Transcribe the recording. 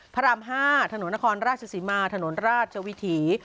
พระราม๕ถนนนครราชศรีมาถนนราชวิถี